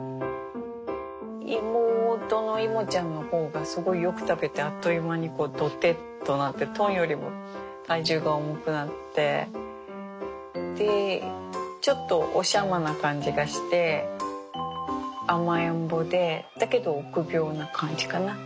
妹のイモちゃんの方がすごいよく食べてあっという間にドテッとなってトンよりも体重が重くなってでちょっとおしゃまな感じがして甘えん坊でだけど臆病な感じかな。